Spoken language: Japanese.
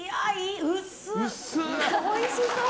おいしそう！